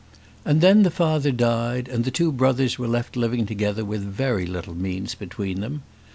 And then the father died, and the two brothers were left living together with very little means between them.